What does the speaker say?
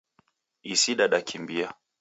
Isi dadakimbia.